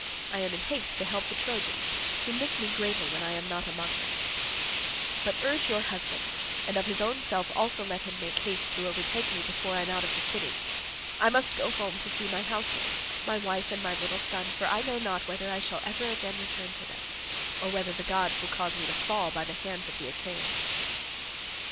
I am in haste to help the Trojans, who miss me greatly when I am not among them; but urge your husband, and of his own self also let him make haste to overtake me before I am out of the city. I must go home to see my household, my wife and my little son, for I know not whether I shall ever again return to them, or whether the gods will cause me to fall by the hands of the Achaeans."